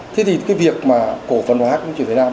thế thì cái việc mà cổ phần hóa hãng phim chuyển việt nam